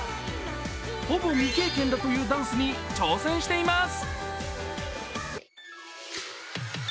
ほぼ未経験だというダンスに挑戦しています。